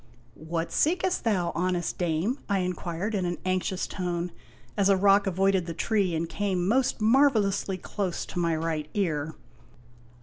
" What seekst thou, honest dame ?' I inquired in an anxious tone, as a rock avoided the tree and came most marvelously close to my right ear.